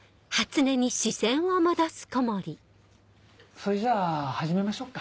それじゃあ始めましょうか。